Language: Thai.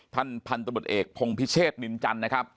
ท่านพันธุ์ตรวจเอกพงภิเชษวิมจันทร์นะครับ